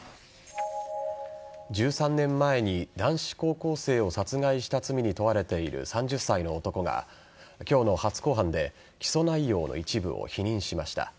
１３年前に男子高校生を殺害した罪に問われている３０歳の男が今日の初公判で起訴内容の一部を否認しました。